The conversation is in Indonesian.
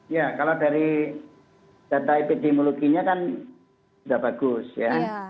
ya kalau dari data epidemiologinya kan sudah bagus ya